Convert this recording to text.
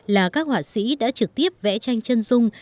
là các họa sĩ đã trực tiếp vẽ tranh chân dung